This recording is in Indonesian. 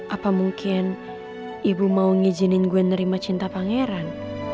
apa mungkin ibu mau ngizinin gue nerima cinta pangeran